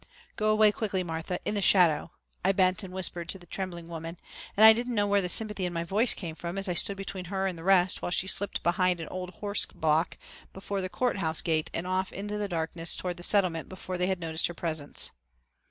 "Go away quickly, Martha, in the shadow," I bent and whispered to the trembling woman, and I didn't know where the sympathy in my voice came from as I stood between her and the rest while she slipped behind an old horse block before the court house gate and off in the darkness towards the Settlement before they had noticed her presence.